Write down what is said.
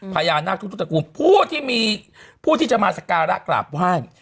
พญานาคทุกตระกูลผู้ที่มีผู้ที่จะมาสการะกราบไหว้